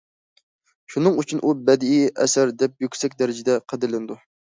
شۇنىڭ ئۈچۈن ئۇ بەدىئىي ئەسەر، دەپ يۈكسەك دەرىجىدە قەدىرلىنىدۇ.